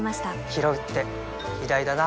ひろうって偉大だな